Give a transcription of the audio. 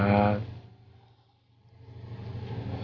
bisa cepet membangun elsa